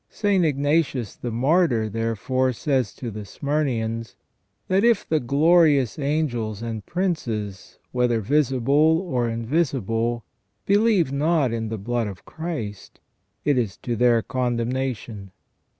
St. Ignatius the Martyr, therefore, says to the Smyrneans that, " if the glorious angels and princes, whether visible or invisible, believe not in the blood of Christ, it is to their condemnation".